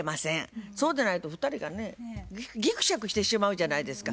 そうでないと２人がねぎくしゃくしてしまうじゃないですか。